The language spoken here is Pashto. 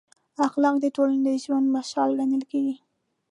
اخلاق د ټولنې د ژوند مشال ګڼل کېږي.